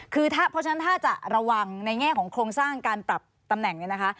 คือถ้าเพราะฉะนั้นถ้าจะระวังในแง่ของโครงสร้างการปรับตำแหน่งเนี่ยนะคะ